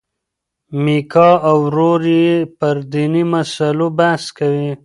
میکا او ورور یې پر دیني مسلو بحث کوي.